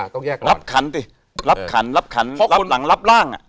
ต้องแยกรับขันสิรับขันรับขันรับหลังรับร่างอ่ะ